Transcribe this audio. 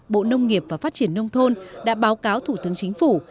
bộ nông nghiệp và phát triển nông thôn đã báo cáo thủ tướng chính phủ